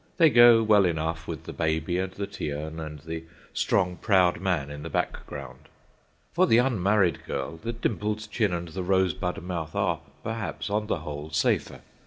They go well enough with the baby and the tea urn, and the strong, proud man in the background. For the unmarried girl the dimpled chin and the rosebud mouth are, perhaps, on the whole safer.